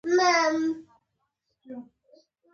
ځيني عوامل د انسان د ارادې له مخي بدلون کولای سي